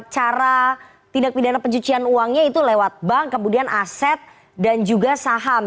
cara tindak pidana pencucian uangnya itu lewat bank kemudian aset dan juga saham